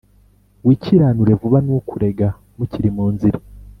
Wikiranure vuba n’ukurega mukiri mu nzira